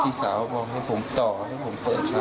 พี่สาวบอกให้ผมต่อให้ผมเปิดช้า